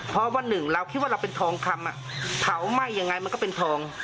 เพราะวันหนึ่งเราคิดว่าเราเป็นทองคำเผาไหม้ยังไงมันก็เป็นทอง